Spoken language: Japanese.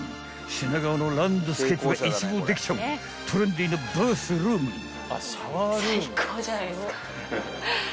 ［品川のランドスケープが一望できちゃうトレンディーなバスルームに］